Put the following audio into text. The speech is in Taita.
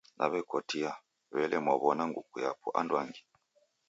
Naw'ekotia, w'ele mwaw'ona nguku yapo andwangi?